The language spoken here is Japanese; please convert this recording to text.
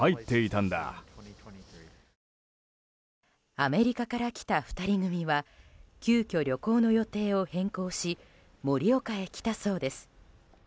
アメリカから来た２人組は急きょ、旅行の予定を変更し盛岡へ来たそうです。